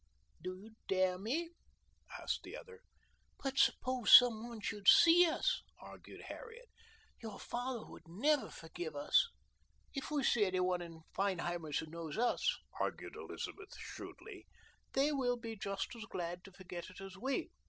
"Do you dare me?" asked the other. "But suppose some one should see us?" argued Harriet. "Your father would never forgive us." "If we see any one in Feinheimer's who knows us," argued Elizabeth shrewdly, "they will be just as glad to forget it as we.